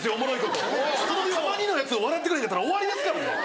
たまにのやつを笑ってくれへんかったら終わりですからね。